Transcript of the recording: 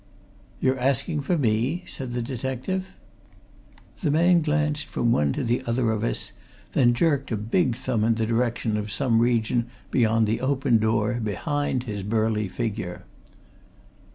"You're asking for me?" said the detective. The man glanced from one to the other of us; then jerked a big thumb in the direction of some region beyond the open door behind his burly figure.